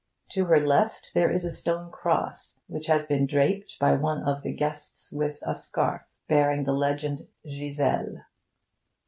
To her left there is a stone cross, which has been draped by one of the guests with a scarf bearing the legend GISELLE.